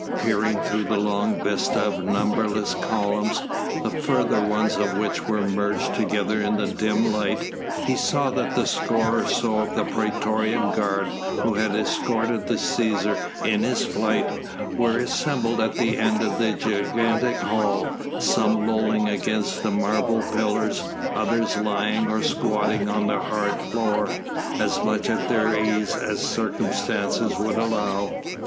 Peering through the long vista of numberless columns, the further ones of which were merged together in the dim light, he saw that the score or so of the praetorian guard who had escorted the Cæsar in his flight were assembled at the end of the gigantic hall, some lolling against the marble pillars, others lying or squatting on the hard floor, as much at their ease as circumstances would allow.